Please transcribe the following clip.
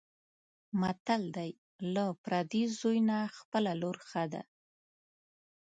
متل دی: له پردي زوی نه خپله لور ښه ده.